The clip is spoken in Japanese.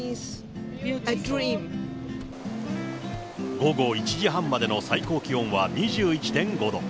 午後１時半までの最高気温は２１．５度。